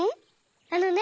あのね